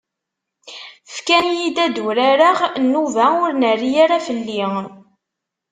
Fkan-iyi-d ad d-urareɣ nnuba ur nerri ara fell-i.